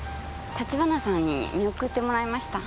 立花さんに見送ってもらいました。